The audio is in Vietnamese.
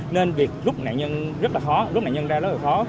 nên việc rút nạn nhân rất là khó rút nạn nhân ra rất là khó